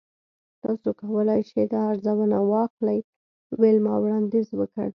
تاسو کولی شئ دا ارزانه واخلئ ویلما وړاندیز وکړ